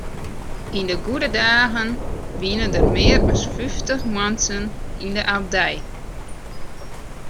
Yn de goede dagen wiene der mear as fyftich muontsen yn de abdij.